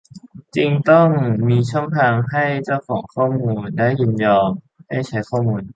จริงต้องมีช่องทางให้เจ้าของข้อมูลได้ยินยอมให้ใช้ข้อมูล